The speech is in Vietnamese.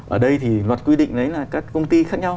ở đây thì luật quy định đấy là các công ty khác nhau